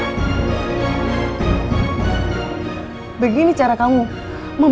sebenarnya baiknya kamu sedih